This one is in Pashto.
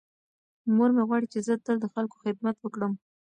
مور مې غواړي چې زه تل د خلکو خدمت وکړم.